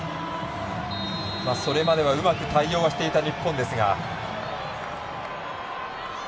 それまではうまく対応はしていた日本ですが。